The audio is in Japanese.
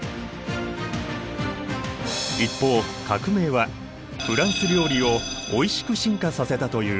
一方革命はフランス料理をおいしく進化させたという。